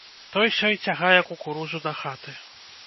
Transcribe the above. Той-сёй цягае кукурузу дахаты.